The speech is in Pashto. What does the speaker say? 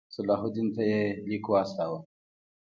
صلاح الدین ته یې لیک واستاوه.